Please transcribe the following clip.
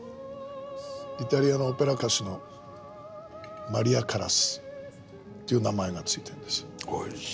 イタリアのオペラ歌手のマリア・カラスっていう名前が付いてんです。